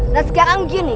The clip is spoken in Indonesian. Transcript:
nah sekarang gini